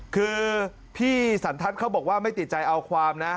คือพี่สันทัศน์เขาบอกว่าไม่ติดใจเอาความนะ